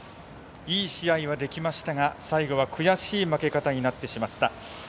いい試合はできましたが最後は悔しい負け方になってしまった。